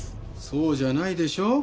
そうじゃないでしょう？